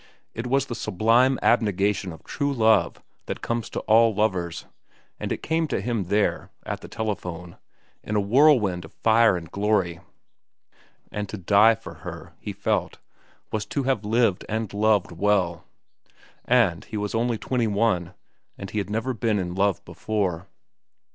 It was the sublime abnegation of true love that comes to all lovers, and it came to him there, at the telephone, in a whirlwind of fire and glory; and to die for her, he felt, was to have lived and loved well. And he was only twenty one, and he had never been in love before.